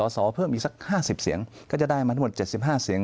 สอเพิ่มอีกสัก๕๐เสียงก็จะได้มาทั้งหมด๗๕เสียง